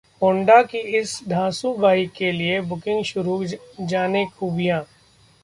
Honda की इस धांसू बाइक के लिए बुकिंग शुरू, जानें खूबियां